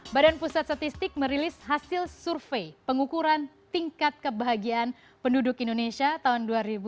badan pusat statistik merilis hasil survei pengukuran tingkat kebahagiaan penduduk indonesia tahun dua ribu dua puluh